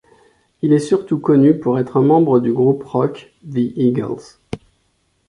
Il est surtout connu pour être un membre du groupe rock, The Eagles.